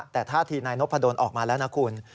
แต่ท่าทีนายนพดลออกมาแล้วนะคุณ